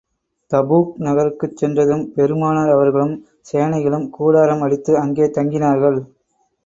Tabuk நகருக்குச் சென்றதும் பெருமானார் அவர்களும், சேனைகளும் கூடாரம் அடித்து, அங்கே தங்கினார்கள்.